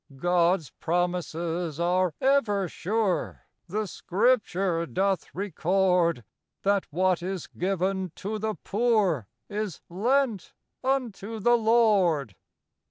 God's promises are ever sure, • The scripture. <doth record That what is given to the poor ! Is lent unto the Lord.